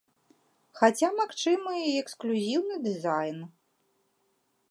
Хаця магчымы і эксклюзіўны дызайн.